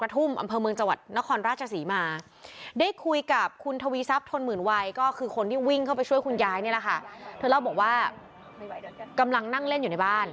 เธอเล่าบอกว่ากำลังนั่งเล่นอยู่ในบ้าน